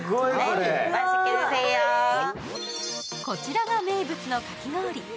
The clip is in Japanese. こちらが名物のかき氷。